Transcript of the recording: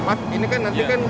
nanti kan ada penyakuan